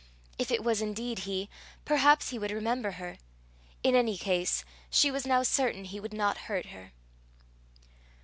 If it was indeed he, perhaps he would remember her. In any case, she was now certain he would not hurt her.